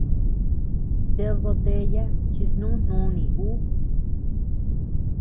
¡Ted botella chi snú nuni ú!